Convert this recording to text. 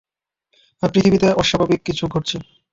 আর পৃথিবীতে অস্বাভাবিক কিছু ঘটছে।